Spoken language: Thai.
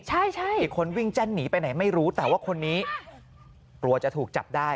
ใช่อีกคนวิ่งแจ้นหนีไปไหนไม่รู้แต่ว่าคนนี้กลัวจะถูกจับได้